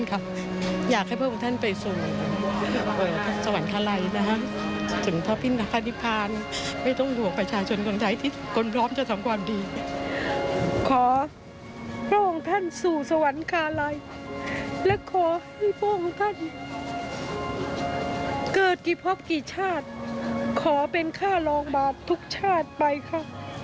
เกิดกี่พบกี่ชาติขอเป็นค่ารองบาททุกชาติไปค่ะ